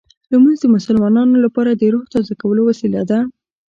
لمونځ د مسلمانانو لپاره د روح تازه کولو وسیله ده.